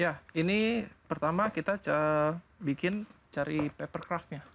ya ini pertama kita bikin cari paper craftnya